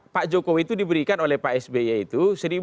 pak jokowi itu diberikan oleh pak sby itu